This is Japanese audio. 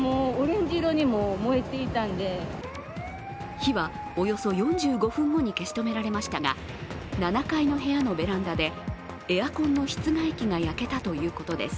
火はおよそ４５分後に消し止められましたが７階の部屋のベランダでエアコンの室外機が焼けたということです。